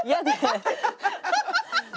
ハハハハ！